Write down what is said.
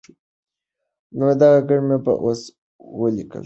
دغه ګړې به اوس ولیکل سي.